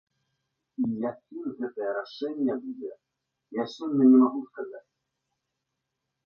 І якім гэтае рашэнне будзе, я сёння не магу сказаць.